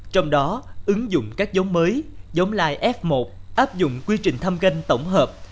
trong đó ứng dụng các giống mới giống lai f một áp dụng quy trình thăm ganh tổng hợp